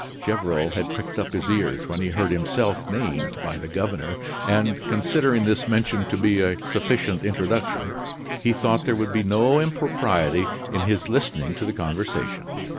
Gevrol had pricked up his ears when he heard himself named by the governor, and considering this mention to be a sufficient introduction, he thought there would be no impropriety in his listening to the conversation.